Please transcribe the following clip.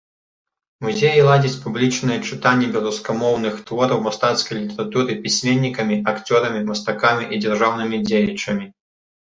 Музеі ладзяць публічныя чытанні беларускамоўных твораў мастацкай літаратуры пісьменнікамі, акцёрамі, мастакамі і дзяржаўнымі дзеячамі.